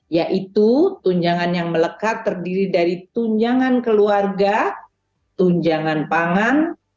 yaitu tunjangan yang melekat terdiri dari tunjangan keluarga tunjangan pangan